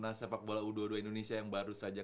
timnas sepak bola u dua puluh dua indonesia yang baru saja